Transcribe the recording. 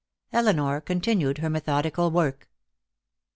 Elinor continued her methodical work.